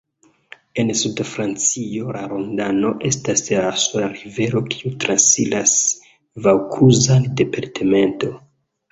En sudfrancio la Rodano estas la sola riverego kiu transiras vaŭkluzan departemento.